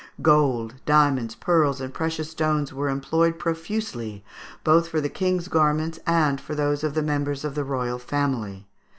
Gold, diamonds, pearls, and precious stones were employed profusely, both for the King's garments and for those of the members of the royal family.